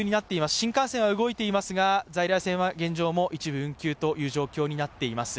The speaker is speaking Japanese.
新幹線は動いていますが在来線は現状も一部運休という状況になっています。